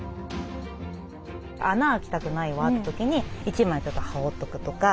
穴開きたくないわって時に１枚ちょっと羽織っとくとか。